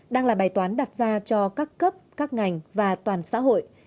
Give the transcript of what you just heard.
đang là bài toán đặt ra cho các cấp các ngành và toàn xã hội